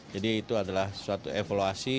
jadi itu adalah suatu evaluasi